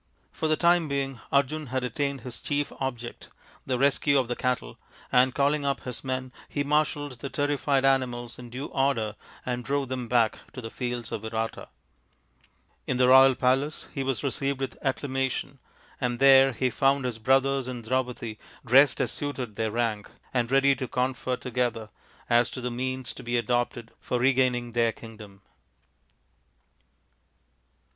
For the time Arjun had G 9 8 THE INDIAN STORY BOOK attained his chief object, the rescue of the cattle, and, calling up his men, he marshalled the terrified animals in due order and drove them back to the fields of Virata. In the royal palace he was received with acclama tion, and there he found his brothers and Draupadi dressed as suited their rank, and ready to confer together as to the means to be adopted for regaining their kingdom.